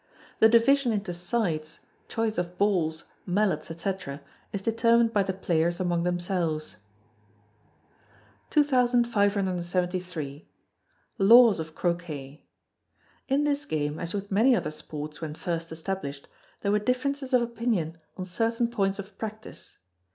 The division into sides, choice of balls, mallets, &c., is determined by the players among themselves. 2573. Laws of Croquet. In this game, as with many other sports when first established, there were differences of opinion on certain points of practice.